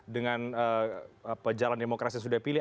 dengan jalan demokrasi sudah dipilih